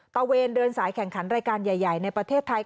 เวนเดินสายแข่งขันรายการใหญ่ในประเทศไทย